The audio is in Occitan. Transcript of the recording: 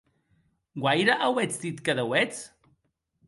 Guaire auetz dit que deuetz?